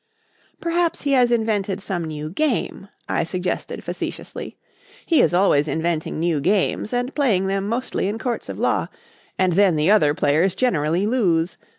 "Perhaps he has invented some new game," I suggested facetiously. "He is always inventing new games and playing them mostly in courts of law, and then the other players generally lose.